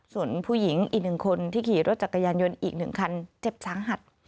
ส่วนผู้หญิงอีกหนึ่งคนที่ขี่รถจักรยานยนต์อีก๑คันเจ็บสาหัส